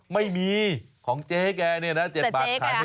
ไม่มีของเจ๊แกเนี่ยนะ๗บาทขายไม่ได้